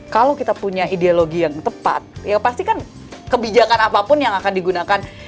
kalau kita punya ideologi yang tepat ya pasti kan kebijakan apapun yang akan digunakan